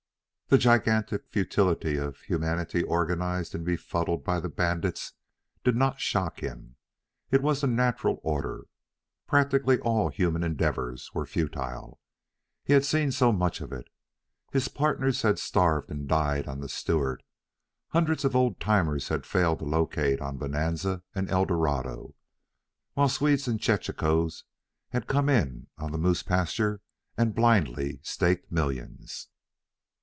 The gigantic futility of humanity organized and befuddled by the bandits did not shock him. It was the natural order. Practically all human endeavors were futile. He had seen so much of it. His partners had starved and died on the Stewart. Hundreds of old timers had failed to locate on Bonanza and Eldorado, while Swedes and chechaquos had come in on the moose pasture and blindly staked millions.